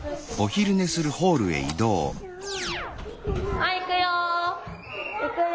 はい行くよ。